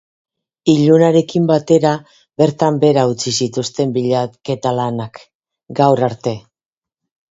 Ilunarekin batera bertan behera utzi zituzten bilaketa lanak, gaur arte.